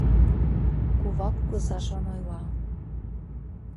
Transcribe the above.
Кува кугызажлан ойла: